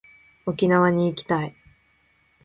沖縄に行きたい